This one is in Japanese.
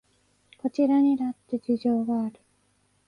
こちらにだって事情がある